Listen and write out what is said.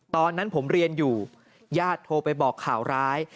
ตอนนั้นผมเรียนอยู่ญาติโทรไปบอกข่าวร้าย